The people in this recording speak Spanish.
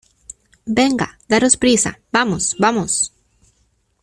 venga, daros prisa. vamos , vamos .